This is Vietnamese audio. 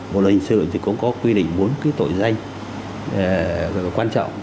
bộ luật hình sự thì cũng có quy định bốn cái tội danh quan trọng